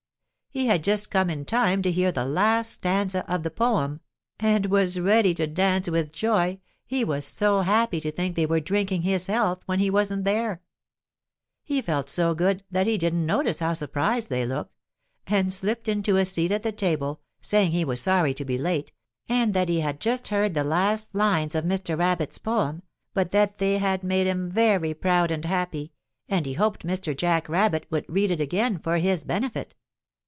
He had just come in time to hear the last stanza of the poem and was ready to dance with joy, he was so happy to think they were drinking his health when he wasn't there. He felt so good that he didn't notice how surprised they looked, and slipped into a seat at the table, saying he was sorry to be late, and that he had just heard the last lines of Mr. Rabbit's poem, but that they had made him very proud and happy, and he hoped Mr. Jack Rabbit would read it again for his benefit.